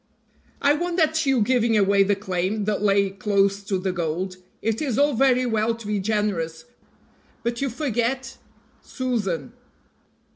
"I WONDER at you giving away the claim that lay close to the gold; it is all very well to be generous, but you forget Susan."